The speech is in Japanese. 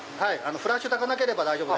フラッシュたかなければ大丈夫。